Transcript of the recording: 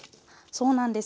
そうなんです。